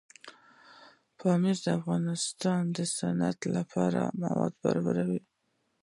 پامیر د افغانستان د صنعت لپاره مواد برابروي.